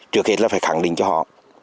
trước khi là phải khẳng định cho họ